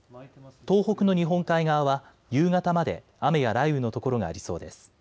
東北の日本海側は夕方まで雨や雷雨の所がありそうです。